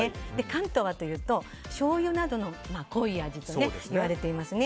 関東はしょうゆなどの濃い味といわれていますね。